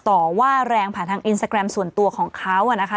ต่อว่าแรงผ่านทางอินสตาแกรมส่วนตัวของเขานะคะ